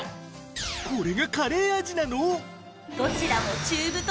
これがカレー味なの！？